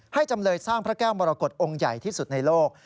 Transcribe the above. จำเลยสร้างพระแก้วมรกฏองค์ใหญ่ที่สุดในโลก